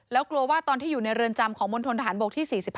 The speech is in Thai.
แล้วกลัวว่าตอนที่อยู่ในเรือนจำของมณฑนทหารบกที่๔๕